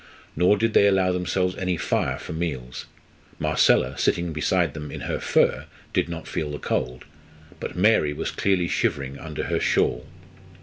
Nor did they allow themselves any fire for meals. Marcella, sitting beside them in her fur, did not feel the cold, but Mary was clearly shivering under her shawl.